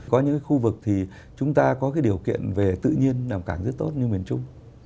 có những cái khu vực thì chúng ta có cái điều kiện về tự nhiên nằm cảng rất tốt như miền trung